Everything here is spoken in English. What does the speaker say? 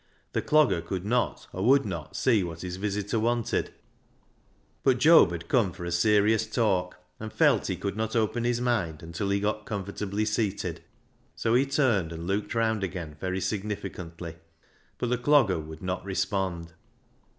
The Clogger could not, or would not, see what his visitor wanted. But Job had come for a serious talk, and felt he could not open his mind until he got comfortably seated. So he turned and looked round again very significantly, but the Clogger would not respond.